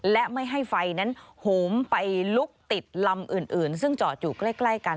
และไม่ให้ไฟนั้นโหมไปลุกติดลำอื่นซึ่งจอดอยู่ใกล้กัน